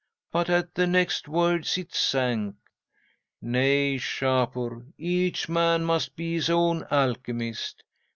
But at the next words it sank. "'"Nay, Shapur, each man must be his own alchemist.